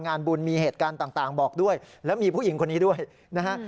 งานบุญมีเหตุการณ์ต่างบอกด้วยแล้วมีผู้หญิงคนนี้ด้วยนะฮะ